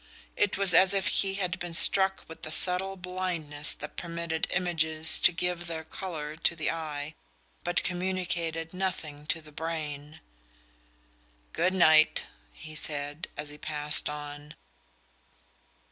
It was as if he had been struck with a subtle blindness that permitted images to give their colour to the eye but communicated nothing to the brain. "Good night," he said, as he passed on.